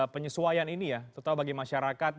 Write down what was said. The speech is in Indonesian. penyesuaian ini ya terutama bagi masyarakat